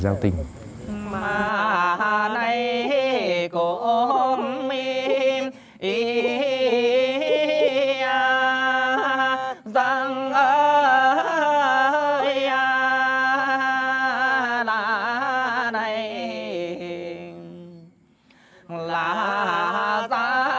á như ca